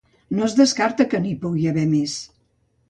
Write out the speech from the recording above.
No es descarta que n’hi pugui haver més.